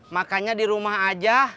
makannya di rumah aja